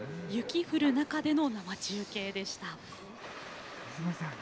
雪降る中での生中継でした。